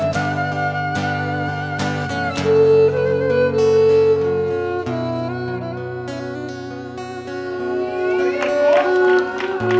มีชื่อโอลินค่ะ